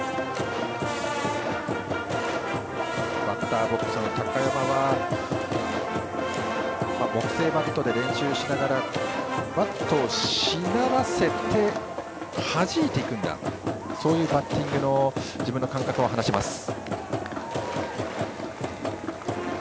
バッターボックスの高山は木製バットで練習しながらバットをしならせてはじいていくようなバッティングの自分の感覚を話しています。